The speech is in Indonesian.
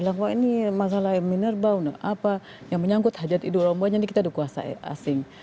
energi hari ini tadi pak nasi bilang wah ini masalah minerba apa yang menyangkut hajat idul umbanya ini kita ada kuasa asing